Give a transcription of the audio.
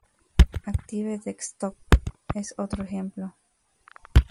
Active Desktop es otro ejemplo.